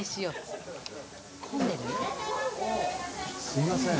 すみません。